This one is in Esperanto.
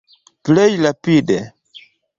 Plej rapide!